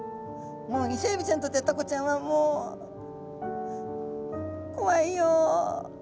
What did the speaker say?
もうイセエビちゃんにとってはタコちゃんはもう「こわいよ」。